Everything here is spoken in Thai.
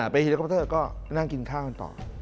เฮลิคอปเตอร์ก็นั่งกินข้าวกันต่อ